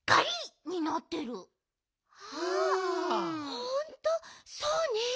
ほんとそうね。